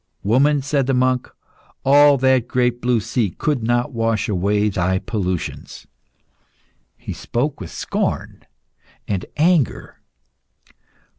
"Woman," said the monk, "all that great blue sea could not wash away thy pollutions." He spoke with scorn and anger.